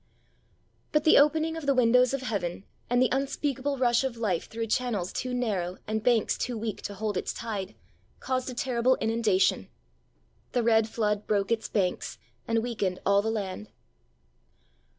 But the opening of the windows of heaven, and the unspeakable rush of life through channels too narrow and banks too weak to hold its tide, caused a terrible inundation: the red flood broke its banks, and weakened all the land.